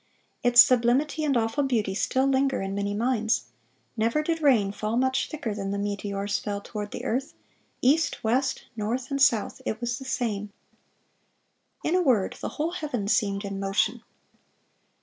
"Its sublimity and awful beauty still linger in many minds.... Never did rain fall much thicker than the meteors fell toward the earth; east, west, north, and south, it was the same. In a word, the whole heavens seemed in motion....